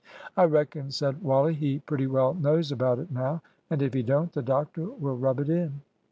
"I reckon," said Wally, "he pretty well knows about it now and if he don't, the doctor will rub it in."